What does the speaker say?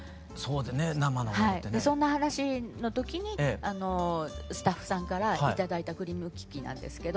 そんな話の時にスタッフさんから頂いた栗むき器なんですけど。